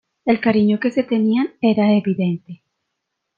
El cariño que se tenían era evidente.